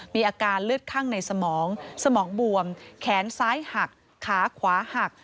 มีอาการเลือดข้างในสมองสมองบวมแขนซ้ายหักขาขวาหัก